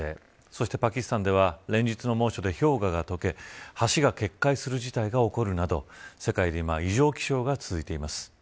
そしてパキスタンでは連日の猛暑で氷河が解け橋が決壊する事態が起こるなど世界で今異常気象が続いています。